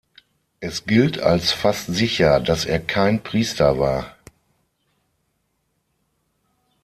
Es gilt als fast sicher, dass er kein Priester war.